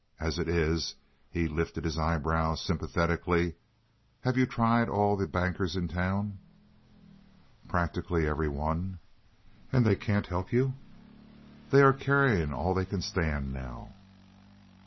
As it is—" He lifted his eyebrows sympathetically. "Have you tried all the bankers in town?" "Practically every one." "And they can't help you?" "They are carrying all they can stand now."